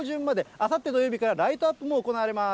あさって土曜日からライトアップも行われます。